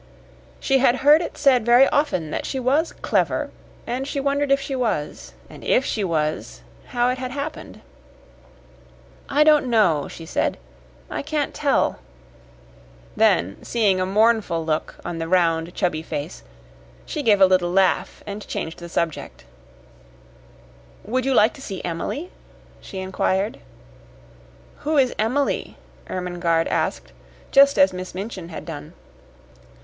She had heard it said very often that she was "clever," and she wondered if she was and IF she was, how it had happened. "I don't know," she said. "I can't tell." Then, seeing a mournful look on the round, chubby face, she gave a little laugh and changed the subject. "Would you like to see Emily?" she inquired. "Who is Emily?" Ermengarde asked, just as Miss Minchin had done.